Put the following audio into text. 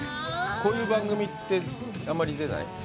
こういう番組って、あんまり出ない？